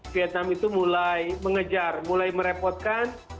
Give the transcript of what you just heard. vietnam itu mulai mengejar mulai merepotkan